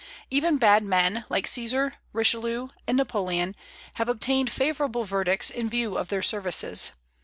Even bad men like Caesar, Richelieu, and Napoleon have obtained favorable verdicts in view of their services.